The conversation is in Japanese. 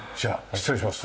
失礼します。